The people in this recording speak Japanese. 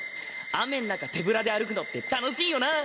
雨ん中手ぶらで歩くのって楽しいよな